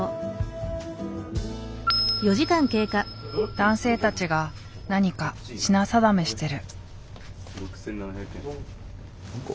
男性たちが何か品定めしてる。